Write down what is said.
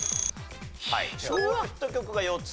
昭和のヒット曲が４つ。